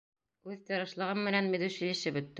Үҙ тырышлығым менән медучилище бөттөм.